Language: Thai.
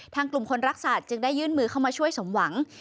กลุ่มคนรักสัตว์จึงได้ยื่นมือเข้ามาช่วยสมหวัง